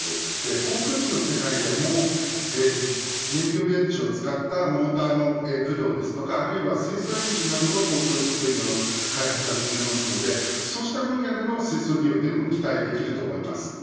航空機の世界でも燃料電池を使ったモーターの駆動ですとかあるいは水素エンジンの航空機というのも開発が進んでいますのでそうした分野での水素利用も期待できると思います。